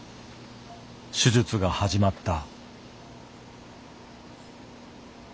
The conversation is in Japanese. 手術が始まった。